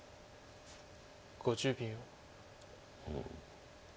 ５０秒。